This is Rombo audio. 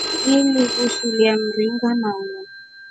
Ngiri busulia mringa maua.